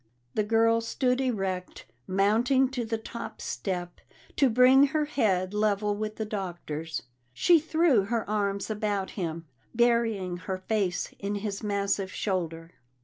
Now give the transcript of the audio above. The girl stood erect, mounting to the top step to bring her head level with the Doctor's. She threw her arms about him, burying her face in his massive shoulder.